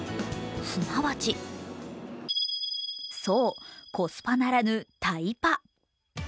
すなわちそう、コスパならぬタイパ。